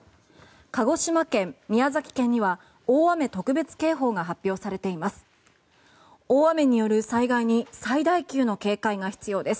鹿児島県、宮崎県には大雨特別警報が発表されています。